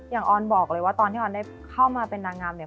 ออนบอกเลยว่าตอนที่ออนได้เข้ามาเป็นนางงามเนี่ย